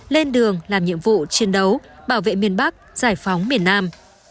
lên đường làm nhiệm vụ chiến đấu bảo vệ miền bắc giải phóng miền nam